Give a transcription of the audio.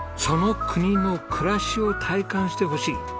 その国の暮らしを体感してほしい。